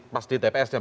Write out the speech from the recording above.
pas di tps